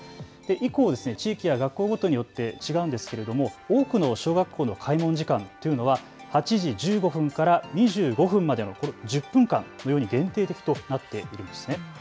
以降、地域や学校ごとによって違うんですが、多くの小学校の開門時間は８時１５分から２５分までの１０分間のように限定的となっています。